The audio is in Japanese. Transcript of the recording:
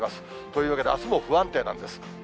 というわけであすも不安定なんです。